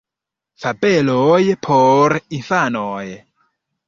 Fabeloj por infanoj.